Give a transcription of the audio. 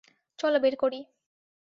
চলো বের করি।